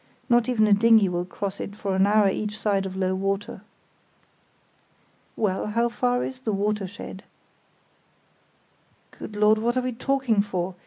Not even a dinghy will cross it for an hour each side of low water." "Well, how far is the 'watershed'?" "Good Lord! What are we talking for?